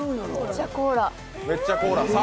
めっちゃコーラ。